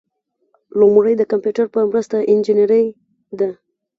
لومړی د کمپیوټر په مرسته انجنیری ده.